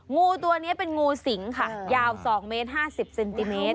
งูตัวนี้เป็นงูสิงค่ะยาว๒เมตร๕๐เซนติเมตร